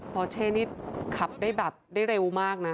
พอเช่นี่ขับได้แบบได้เร็วมากนะ